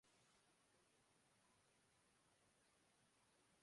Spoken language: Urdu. ان کا کام سیاست نہیں، بلکہ سیاست دانوں کو دین کی رہنمائی سے آگاہی ہے